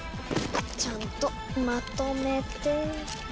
ちゃんとまとめて。